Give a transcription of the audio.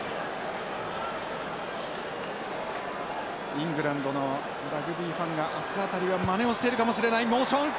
イングランドのラグビーファンが明日辺りはまねをしているかもしれないモーション。